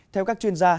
theo các chuyên gia